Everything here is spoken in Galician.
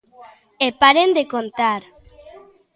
E paren de contar.